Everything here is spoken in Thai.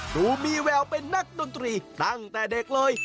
ดูมีแววเป็นนักดนตรีตั้งแต่เด็กเลย